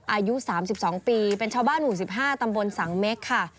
อายุ๓๒ปีเป็นชาวบ้านหมู่๑๕ตำบลสังเม็กค่ะ